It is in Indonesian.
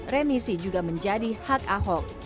remisi juga menjadi hak ahok